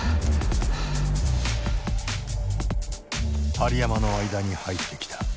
針山の間に入ってきた。